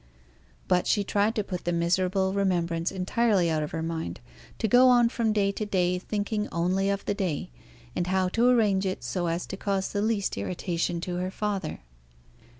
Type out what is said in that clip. But she tried to put the miserable remembrance entirely out of her mind; to go on from day to day thinking only of the day, and how to arrange it so as to cause the least irritation to her father.